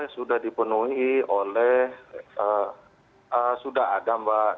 sudah dipenuhi oleh sudah ada mbak